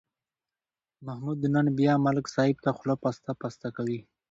محمود نن بیا ملک صاحب ته خوله پسته پسته کوي.